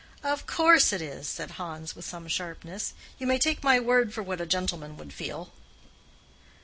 "Of course it is," said Hans, with some sharpness. "You may take my word for what a gentleman would feel."